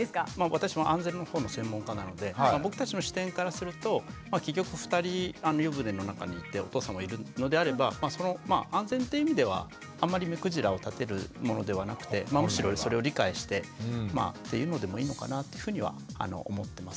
私も安全のほうの専門家なので僕たちの視点からすると結局２人湯船の中にいてお父さんもいるのであれば安全っていう意味ではあんまり目くじらを立てるものではなくてむしろそれを理解してっていうのでもいいのかなっていうふうには思ってます。